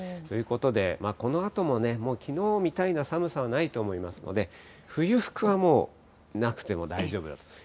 ということで、このあとも、きのうみたいな寒さはないと思いますので、冬服はもうなくても大丈夫だと。